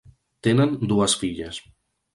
Tenen dues filles.